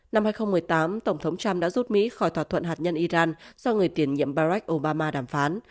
năm hai nghìn một mươi tám tổng thống trump đã rút mỹ khỏi thỏa thuận hạt nhân iran do người tiền nhiệm barack obama đàm phán